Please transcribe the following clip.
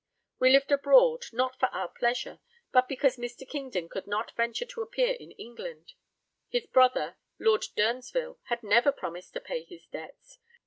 We lived abroad not for our pleasure, but because Mr. Kingdon could not venture to appear in England. His brother, Lord Durnsville, had never promised to pay his debts.